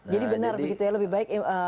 jadi benar begitu ya lebih baik